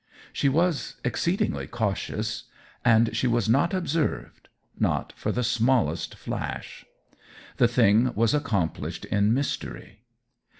She was exceedingly cautious; and she was not observed not for the smallest flash. The thing was accomplished in mystery.